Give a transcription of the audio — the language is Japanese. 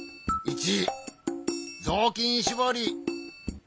ぞうきんしぼり。